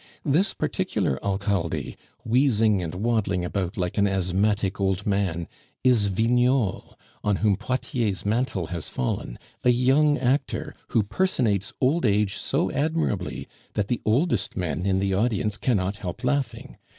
This particular Alcalde, wheezing and waddling about like an asthmatic old man, is Vignol, on whom Potier's mantle has fallen; a young actor who personates old age so admirably that the oldest men in the audience cannot help laughing.